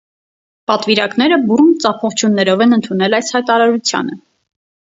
Պատվիրակները բուռն ծափողջույններով են ընդունել այս հայտարարությանը։